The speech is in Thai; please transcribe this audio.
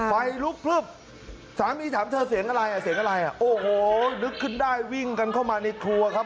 ไฟลุบสามีถามเธอเสียงอะไรโอ้โหนึกขึ้นได้วิ่งกันเข้ามานิดครัวครับ